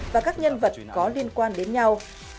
và các nhân vật có liên quan đến nhau